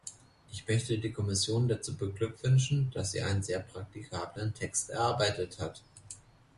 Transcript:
Ich möchte die Kommission dazu beglückwünschen, dass sie einen sehr praktikablen Text erarbeitet hat.